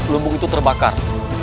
lubung itu terbakar